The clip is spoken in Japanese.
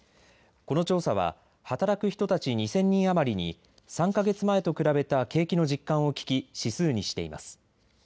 この調査は働く人たち２０００人余りに３か月前と比べた景気の実感を聞き指数にしています。